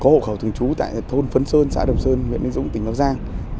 có hộ khẩu thường trú tại thôn phấn sơn xã đồng sơn miền bình dũng tỉnh bắc giang